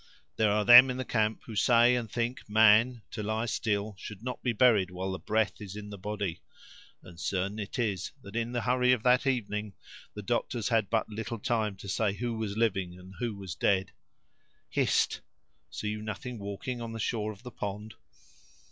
There are them in the camp who say and think, man, to lie still, should not be buried while the breath is in the body; and certain it is that in the hurry of that evening, the doctors had but little time to say who was living and who was dead. Hist! see you nothing walking on the shore of the pond?"